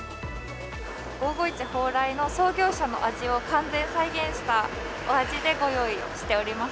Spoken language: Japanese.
５５１蓬莱の創業者の味を完全再現したお味でご用意しております。